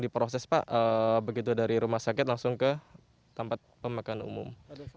jadi proses pak begitu dari rumah sakit langsung ke tempat pemakanan umum